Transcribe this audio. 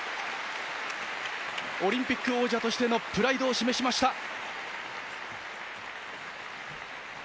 オリンピック王者としてのプライドを示しました。